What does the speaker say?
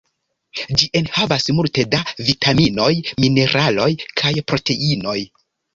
Ĝi enhavas multe da vitaminoj, mineraloj kaj proteinoj.